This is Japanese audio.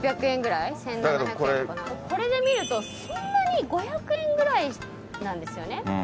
これで見るとそんなに５００円ぐらいなんですよね。